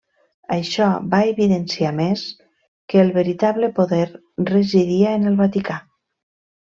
Això va evidenciar més que el veritable poder residia en el Vaticà.